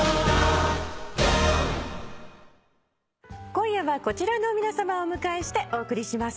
今夜はこちらの皆さまをお迎えしてお送りします。